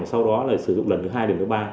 sau đó là sử dụng lần thứ hai điểm thứ ba